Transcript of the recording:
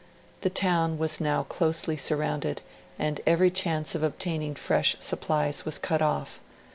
The town was now closely surrounded, and every chance of obtaining fresh supplies was cut off.